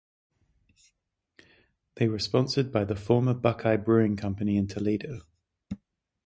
They were sponsored by the former Buckeye Brewing Company in Toledo.